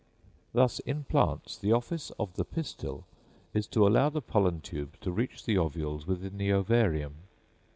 Thus, in plants, the office of the pistil is to allow the pollen tubes to reach the ovules within the ovarium.